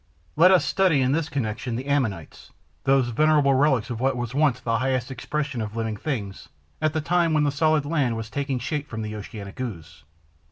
Let us study, in this connection, the Ammonites, those venerable relics of what was once the highest expression of living things, at the time when the solid land was taking shape from the oceanic ooze.